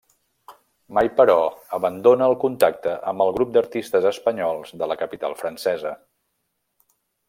Mai, però, abandona el contacte amb el grup d'artistes espanyols de la capital francesa.